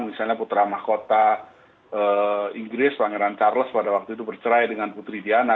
misalnya putra mahkota inggris pangeran charles pada waktu itu bercerai dengan putri diana